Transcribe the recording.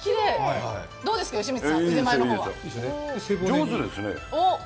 上手ですね。